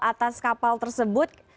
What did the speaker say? atas kapal tersebut